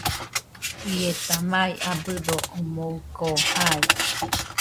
Ieta mai abɨdo omoɨko jai.